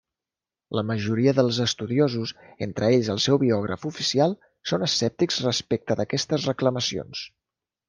La majoria dels estudiosos, entre ells el seu biògraf oficial, són escèptics respecte d'aquestes reclamacions.